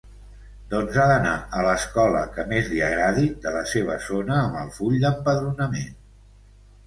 Doncs ha d'anar a l'escola que més li agradi de la seva zona amb el full d'empadronament.